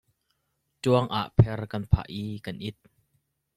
Ṭuangah pher kan phah i kan it.